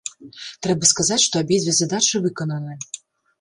Трэба сказаць, што абедзве задачы выкананы.